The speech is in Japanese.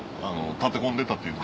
立て込んでたっていうの。